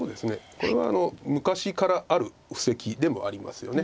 これは昔からある布石でもありますよね。